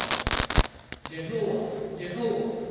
JAEL Jehovah! Jehovah!